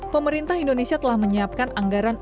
pemerintah indonesia telah menyiapkan anggaran